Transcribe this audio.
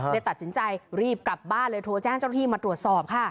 เลยตัดสินใจรีบกลับบ้านเลยโทรแจ้งเจ้าที่มาตรวจสอบค่ะ